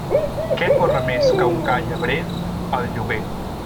Què corre més que un ca llebrer? El lloguer.